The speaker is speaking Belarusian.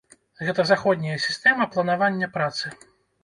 Гэта заходняя сістэма планавання працы.